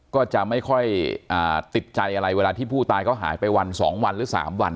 ก็จะไม่ค่อยติดใจอะไรเวลาที่ผู้ตายเขาหายไปวัน๒วันหรือ๓วัน